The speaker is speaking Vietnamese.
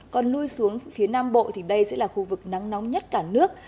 còn lui xuống phía nam bộ thì đây sẽ là khu vực nắng nóng nhất cả nước